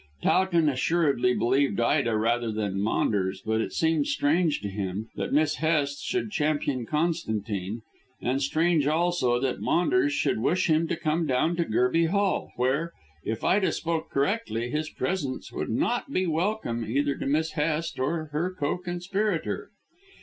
Towton assuredly believed Ida rather than Maunders, but it seemed strange to him that Miss Hest should champion Constantine, and strange also that Maunders should wish him to come down to Gerby Hall, where, if Ida spoke correctly, his presence would not be welcome either to Miss Hest or her co conspirator.